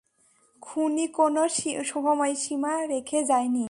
খুনি কোনো সময়সীমা রেখে যায়নি।